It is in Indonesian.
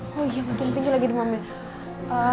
oh iya makin tinggi lagi demamnya